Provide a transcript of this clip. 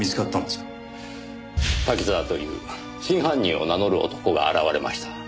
滝沢という真犯人を名乗る男が現れました。